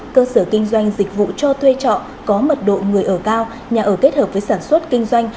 cơ sở kinh doanh dịch vụ cho thuê trọ có mật độ người ở cao nhà ở kết hợp với sản xuất kinh doanh